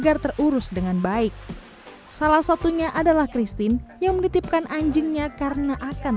agar terurus dengan baik salah satunya adalah christine yang menitipkan anjingnya karena akan